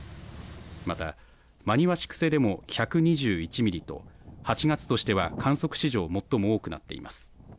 また真庭市久世でも１２１ミリと、８月としては観測史上最も多くなっています。